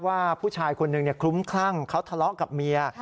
ว่าผู้ชายคนหนึ่งคลุ้มคลั่งเขาทะเลาะกับเมีย